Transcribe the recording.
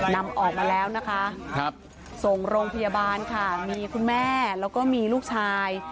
นำออกมาแล้วนะคะส่งโรงพยาบาลค่ะมีคุณแม่แล้วก็มีลูกชาย